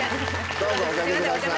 どうぞおかけください